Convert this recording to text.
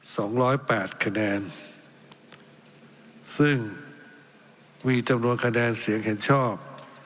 สองร้อยแปดคะแนนซึ่งมีจำนวนคะแนนเสียงเห็นชอบ